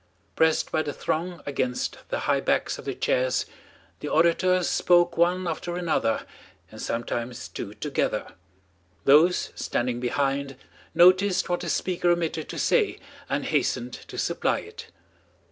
Pressed by the throng against the high backs of the chairs, the orators spoke one after another and sometimes two together. Those standing behind noticed what a speaker omitted to say and hastened to supply it.